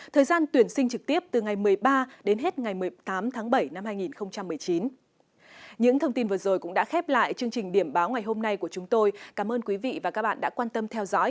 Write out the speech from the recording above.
thời gian tuyển sinh trực tiếp từ ngày một mươi ba đến hết ngày một mươi tám tháng bảy năm hai nghìn một mươi chín